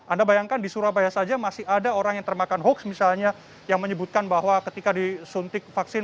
anda bayangkan di surabaya saja masih ada orang yang termakan hoax misalnya yang menyebutkan bahwa ketika disuntik vaksin